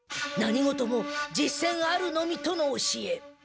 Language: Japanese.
何事も実践あるのみとの教え。